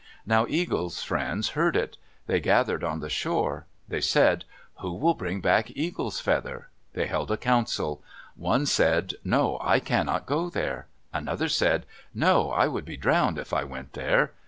Now Eagle's friends heard it. They gathered on the shore. They said, "Who will bring back Eagle's feather?" They held a council. One said, "No, I cannot go there." Another said, "No, I would be drowned if I went there."